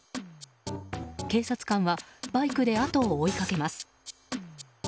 警察官はバイクで後を追いかけます。